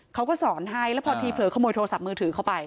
เขาก็สอนให้แล้วพอทีเผลอขโมยโทรศัพท์มือถือเข้าไป